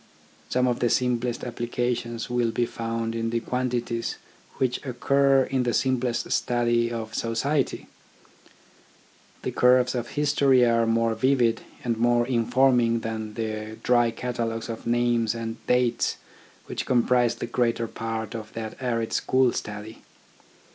Some of the simplest applications will be found in the quantities which occur in the simplest study of society. The curves of history are more vivid and more informing than the dry catalogues of names and dates which comprise the greater part of that arid school study.